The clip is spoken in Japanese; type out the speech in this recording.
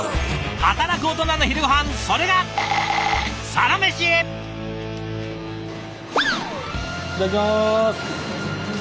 働くオトナの昼ごはんそれがいただきます！